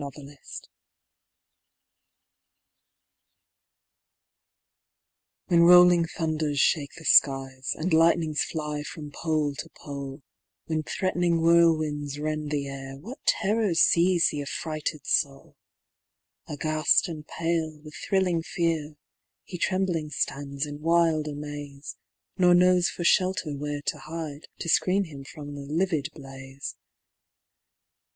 VV HEN rolling thunders fhake the fkies^ And lightnings fly from pole to pole i When threat'ning whirlwinds rend the air, What terrors feize th' affrighted foul !— Aghaft and pale with thrilling fear. He trembling (lands in wild amaze ; Kor knows for fhelter where to hide, To fcreen him from the livid blaze.